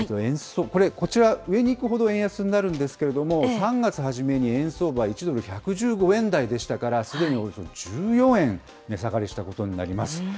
これ、こちら、上にいくほど円安になるんですけれども、３月初めに円相場、１ドル１１５円台でしたから、すでにおよそ１４円値下がりしたことになります。